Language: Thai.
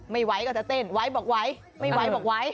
ไม่ไหวก็จะเต้นไว้บอกไหวไม่ไหวบอกไหว